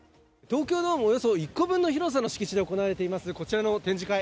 東京ドームおよそ１個分の広さの敷地で行われていますこちらの展示会。